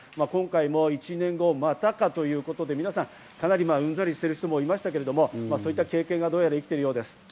今回も１年後、またかということで皆さん、かなりうんざりしてる人もいましたけれども、そういった経験がどうやら生きているようです。